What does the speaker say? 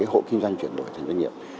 hộ kinh doanh chuyển đổi thành doanh nghiệp